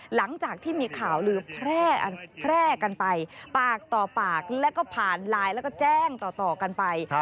หลังจากที่มีข่าวลือแพร่กันไปปากต่อปากแล้วก็ผ่านไลน์แล้วก็แจ้งต่อกันไป